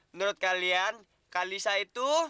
menurut kalian kak liza itu